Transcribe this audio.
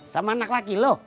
sama anak laki lu